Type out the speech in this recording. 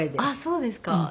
あっそうですか？